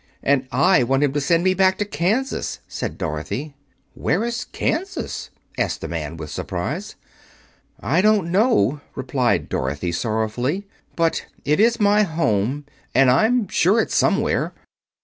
"And I want him to send me back to Kansas," said Dorothy. "Where is Kansas?" asked the man, with surprise. "I don't know," replied Dorothy sorrowfully, "but it is my home, and I'm sure it's somewhere."